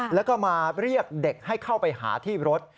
แล้วก็มาเรียกเด็กให้เข้าไปหาที่รถ